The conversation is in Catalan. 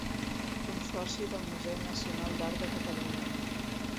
Consorci del Museu Nacional d'Art de Catalunya.